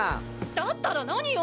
だったら何よ！？